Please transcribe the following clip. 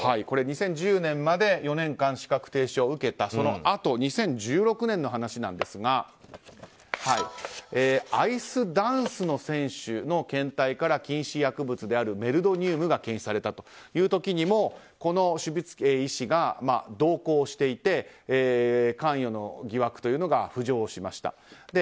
これ２０１０年まで４年間、資格停止を受けたそのあと、２０１６年の話ですがアイスダンスの選手の検体から禁止薬物であるメルドニウムが検出されたという時にもこのシュベツキー医師が同行していて関与の疑惑というのが浮上しました。